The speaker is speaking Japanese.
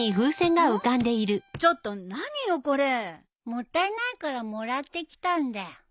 もったいないからもらってきたんだよ。